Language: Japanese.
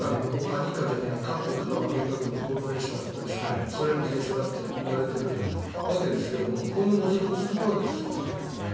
今、韓国とアメリカ軍の合同演習があったりしてそれへのけん制だって言われているわけですが今後もずっと続くわけですからね。